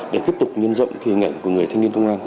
để tiếp tục nguyên rộng kỳ ngạnh của người thanh niên công an